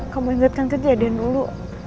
kamu ingatkan kejadian dulu